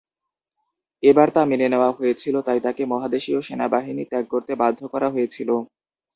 এবার তা মেনে নেওয়া হয়েছিল, তাই তাকে মহাদেশীয় সেনাবাহিনী ত্যাগ করতে বাধ্য করা হয়েছিল।